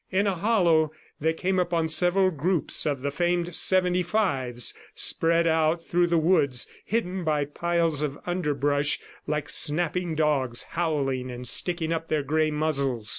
In a hollow, they came upon several groups of the famed seventy fives spread about through the woods, hidden by piles of underbrush, like snapping dogs, howling and sticking up their gray muzzles.